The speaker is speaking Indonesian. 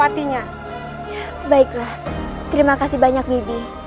terima kasih banyak mibi